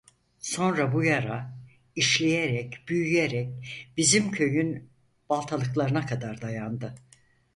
Sonra bu yara, işleyerek, büyüyerek bizim köyün baltalıklarına kadar dayandı.